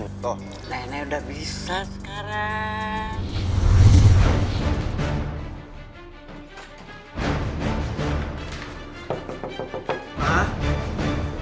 nenek udah bisa sekarang